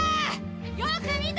よく見て！